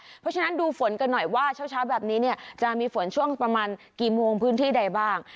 เพราะฉะนั้นดูฝนกันหน่อยว่าเช้าแบบนี้เนี่ยจะมีฝนช่วงประมาณกี่โมงพื้นที่ใดบ้าง